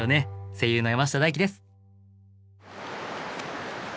声優の山下大輝です。